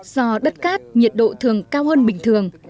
do đất cát nhiệt độ thường cao hơn bình thường